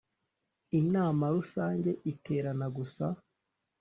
Inama Rusange iterana gusa